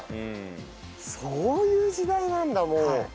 そういう時代なんだもう。